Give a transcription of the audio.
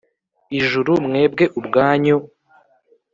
Ijuru mwebwe ubwanyu